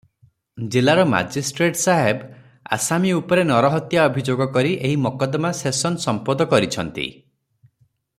ଜିଲ୍ଲାର ମାଜିଷ୍ଟ୍ରେଟ ସାହେବ ଆସାମୀ ଉପରେ ନରହତ୍ୟା ଅଭିଯୋଗ କରି ଏହି ମକଦ୍ଦମା ସେସନ୍ ସମ୍ପୋଦ କରିଛନ୍ତି ।